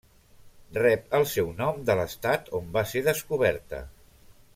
Rep el seu nom de l'estat on va ser descoberta: